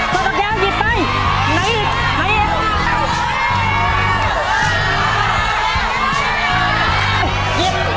เร็วเร็วจับมาหยิบหยิบถั่วตะแก้วถั่วตะแก้วหยิบไป